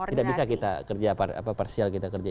tidak bisa kita kerja parsial kita kerja